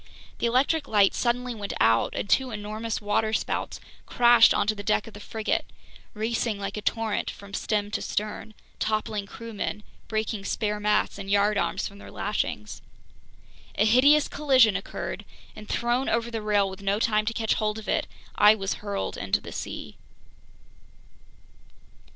The electric light suddenly went out, and two enormous waterspouts crashed onto the deck of the frigate, racing like a torrent from stem to stern, toppling crewmen, breaking spare masts and yardarms from their lashings. A hideous collision occurred, and thrown over the rail with no time to catch hold of it, I was hurled into the sea.